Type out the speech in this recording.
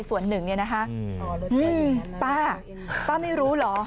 ส่วนหนึ่งเนี่ยนะคะป้าป้าไม่รู้เหรอ